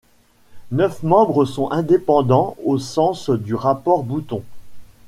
Neuf membres sont indépendants au sens du rapport Bouton.